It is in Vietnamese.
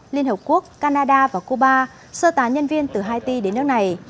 liên hợp quốc canada và cuba sơ tán nhân viên từ haiti đến nước này